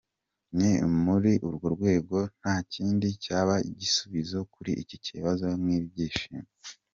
Ni muri urwo rwego nta kindi cyaba igisubizo kuri iki kibazo nk’ibyishimo!.